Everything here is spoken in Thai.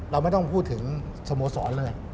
เราไม่ต้องพูดถึงสโมสรเลย